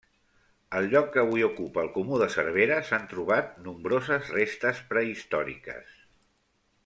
Al lloc que avui ocupa el comú de Cervera s'han trobat nombroses restes prehistòriques.